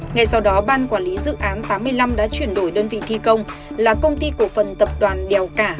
ngay sau đó ban quản lý dự án tám mươi năm đã chuyển đổi đơn vị thi công là công ty cổ phần tập đoàn đèo cả